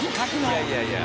いやいやいや。